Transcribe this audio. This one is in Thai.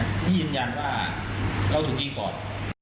พี่ยืนยันว่าเราถูกยิงก่อน